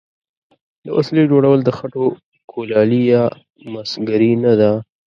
د وسلې جوړول د خټو کولالي یا مسګري نه ده.